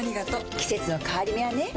季節の変わり目はねうん。